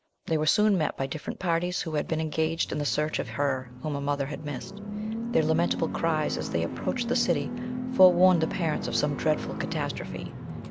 They were soon met by different parties who had been engaged in the search of her whom a mother had missed. Their lamentable cries, as they approached the city, forewarned the parents of some dreadful catastrophe.